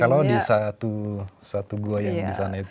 kalau di satu gua yang di sana itu